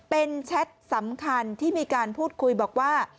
เป็นแชทสำคัญที่มีการพูดคุยบอกว่า